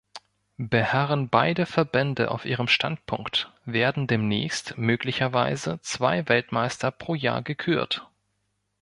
Beharren beide Verbände auf ihrem Standpunkt, werden demnächst möglicherweise zwei Weltmeister pro Jahr gekürt.